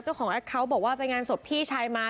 เจ้าของแอคเคาน์บอกว่าไปงานศพพี่ชัยมา